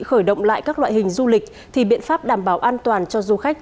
khởi động lại các loại hình du lịch thì biện pháp đảm bảo an toàn cho du khách